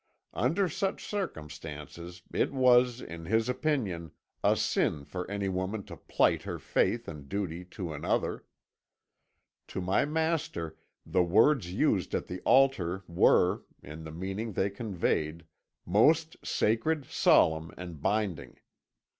"Under such circumstances it was, in his opinion, a sin for any woman to plight her faith and duty to another. To my master the words used at the altar were, in the meaning they conveyed, most sacred, solemn and binding.